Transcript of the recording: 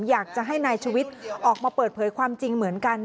อยากจะให้นายชวิตออกมาเปิดเผยความจริงเหมือนกัน